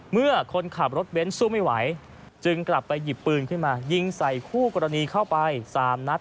คนขับรถเบ้นสู้ไม่ไหวจึงกลับไปหยิบปืนขึ้นมายิงใส่คู่กรณีเข้าไป๓นัด